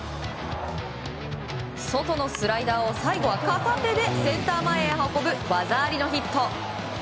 外のスライダーを最後は片手でセンター前へ運ぶ技ありのヒット。